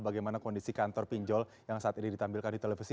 bagaimana kondisi kantor pinjol yang saat ini ditampilkan di televisi